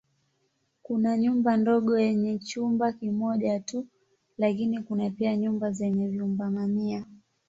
Kuna nyumba ndogo yenye chumba kimoja tu lakini kuna pia nyumba zenye vyumba mamia.